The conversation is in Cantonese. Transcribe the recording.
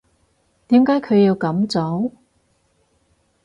點解佢要噉做？